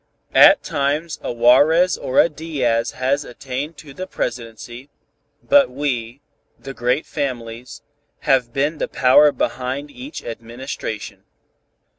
At times a Juarez or a Diaz has attained to the Presidency, but we, the great families, have been the power behind each administration.